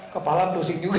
kepala pusing juga